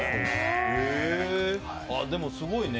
でもすごいね。